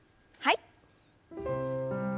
はい。